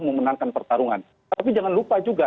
memenangkan pertarungan tapi jangan lupa juga